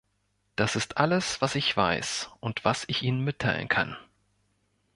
Das ist alles, was ich weiß und was ich Ihnen mitteilen kann.